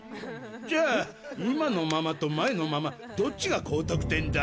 じゃあ、今のママと前のママどっちが高得点だ？